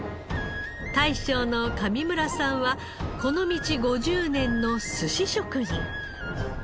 大将の上村さんはこの道５０年の寿司職人。